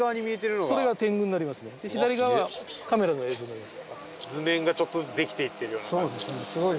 で左側カメラの映像になります。